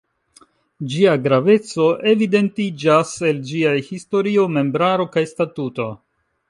Ĝia graveco evidentiĝas el ĝiaj historio, membraro kaj statuto.